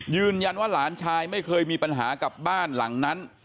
ยืนยันว่าหลานชายไม่เคยมีปัญหากับบ้านหลังนั้น